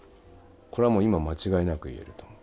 これは今間違いなく言えると思う。